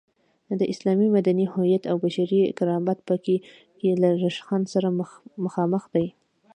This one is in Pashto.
د اسلام مدني هویت او بشري کرامت په کې له ریشخند سره مخامخ دی.